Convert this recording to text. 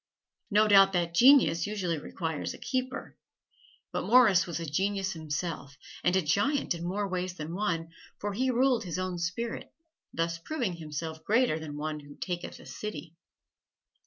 No doubt that genius usually requires a keeper. But Morris was a genius himself and a giant in more ways than one, for he ruled his own spirit, thus proving himself greater than one who taketh a city.